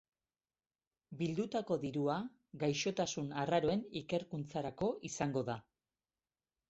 Bildutako dirua gaixotasun arraroen ikerkuntzarako izango da.